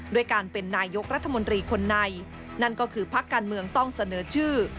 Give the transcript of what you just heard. ด้วยการเป็นนายกรัฐมนตรีคนในนั่นก็คือพักการเมืองต้องเสนอชื่อ